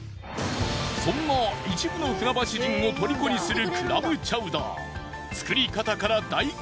そんな一部の船橋人をトリコにするクラムチャウダー。